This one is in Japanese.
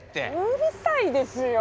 うるさいですよ！